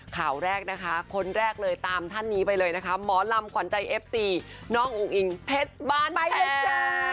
ข่าวแรกนะคะคนแรกเลยตามท่านนี้ไปเลยนะคะหมอลำขวัญใจเอฟซีน้องอุ้งอิงเพชรบ้านไปเลยจ้า